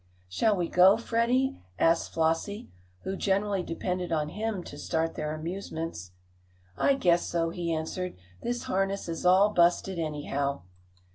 "Shall we go, Freddie?" asked Flossie, who generally depended on him to start their amusements. "I guess so," he answered. "This harness is all busted, anyhow."